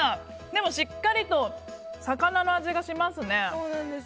でもしっかりと魚の味がしますね。